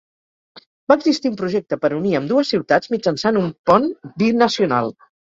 Va existir un projecte per unir ambdues ciutats mitjançant un pont binacional.